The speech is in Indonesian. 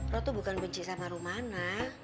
lo tuh bukan benci sama rumahnya